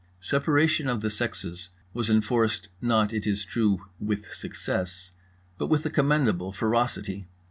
Separation of the sexes was enforced, not, it is true, with success, but with a commendable ferocity.